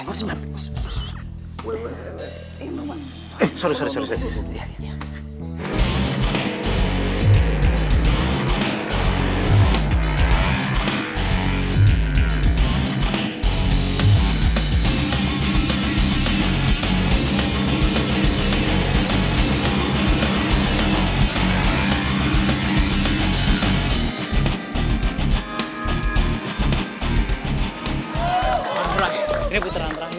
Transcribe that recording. yang motornya merah